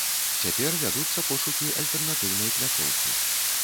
Цяпер вядуцца пошукі альтэрнатыўнай пляцоўкі.